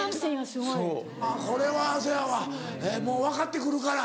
これはそやわもう分かってくるから。